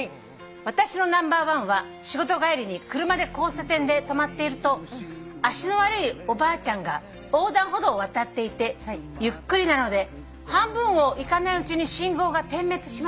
「私のナンバーワンは仕事帰りに車で交差点で止まっていると足の悪いおばあちゃんが横断歩道を渡っていてゆっくりなので半分をいかないうちに信号が点滅しました」